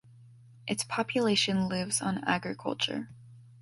Its population lives on agriculture.